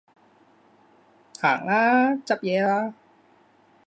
行啦，執嘢啦